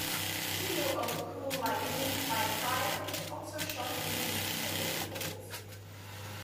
The video of "Cool Like Me" by Fryar was also shot in Imperial Courts.